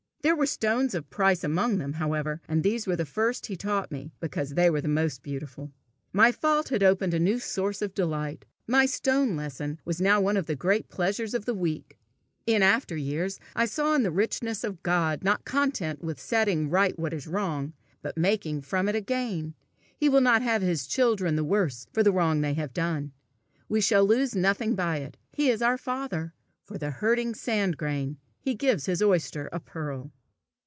There were stones of price among them, however, and these were the first he taught me, because they were the most beautiful. My fault had opened a new source of delight: my stone lesson was now one of the great pleasures of the week. In after years I saw in it the richness of God not content with setting right what is wrong, but making from it a gain: he will not have his children the worse for the wrong they have done! We shall lose nothing by it: he is our father! For the hurting sand grain, he gives his oyster a pearl.